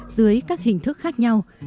dưới các hình thức khác nhau